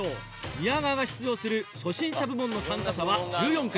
宮川が出場する初心者部門の参加者は１４組。